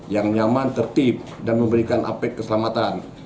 yang nyaman tertib dan memberikan apek keselamatan